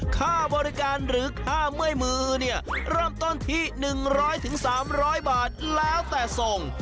ค่าบริการหรือค่าเมื่อยมือเนี่ยเริ่มต้นที่๑๐๐๓๐๐บาทแล้วแต่ส่ง